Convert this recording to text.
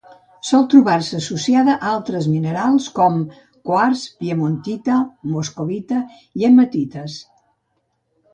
Sol trobar-se associada a altres minerals com: quars, piemontita, moscovita i hematites.